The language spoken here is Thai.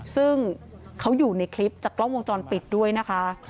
ซึ่งเขาอยู่ในคลิปจากกล้องวงจรปิดด้วยนะคะ